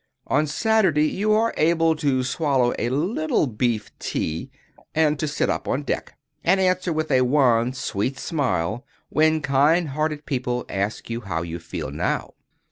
On Saturday, you are able to swallow a little beef tea, and to sit up on deck, and answer with a wan, sweet smile when kind hearted people ask you how you feel now.